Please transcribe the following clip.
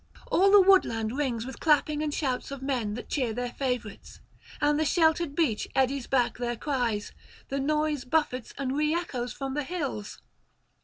All the woodland rings with clapping and shouts of men that cheer their favourites, and the sheltered beach eddies back their cries; the noise buffets and re echoes from the hills.